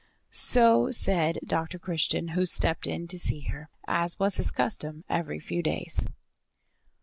So said Dr. Christian, who stepped in to see her, as was his custom every few days.